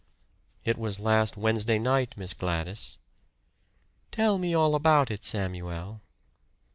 "It was last Wednesday night, Miss Gladys." "Tell me all about it, Samuel."